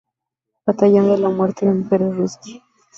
Batallón de la muerte de mujeres rusas".